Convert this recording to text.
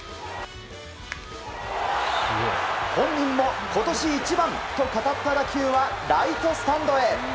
本人も今年一番と語った打球はライトスタンドへ。